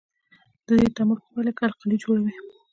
د دې تعامل په پایله کې القلي جوړوي.